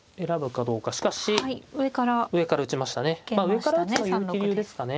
上から打つのは勇気流ですかね。